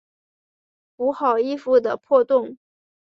补好衣服的破洞